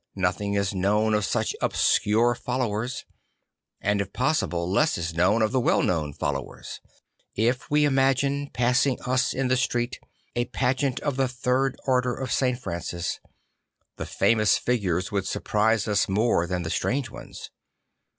Nothing is known of such obscure followers; and if possible less is known of the well known followers. If we imagine passing us in the street a pageant of the Third Order of St. Francis, the famous figures would surprise us more than the strange ones.